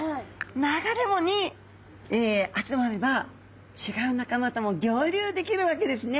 流れ藻に集まれば違う仲間とも合流できるわけですね。